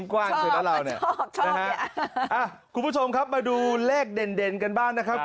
ค่ะชอบชอบชอบอย่างนี้อ่ะคุณผู้ชมครับมาดูเลขเด่นกันบ้างนะครับ